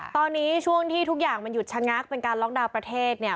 ตอนนี้ช่วงที่ทุกอย่างมันหยุดชะงักเป็นการล็อกดาวน์ประเทศเนี่ย